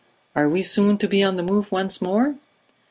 Are we soon to be on the move once more?'